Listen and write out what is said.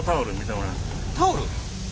タオル？